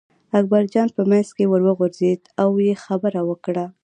اکبرجان په منځ کې ور وغورځېد او یې خبره وکړه.